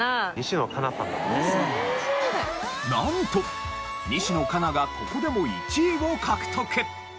なんと西野カナがここでも１位を獲得。